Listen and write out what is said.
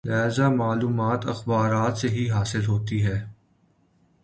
لہذا معلومات اخبارات سے ہی حاصل ہوتی ہیں۔